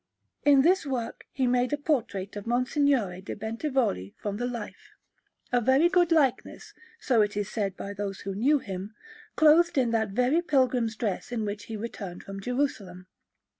In this work he made a portrait of Monsignore de' Bentivogli from the life (a very good likeness, so it is said by those who knew him), clothed in that very pilgrim's dress in which he returned from Jerusalem.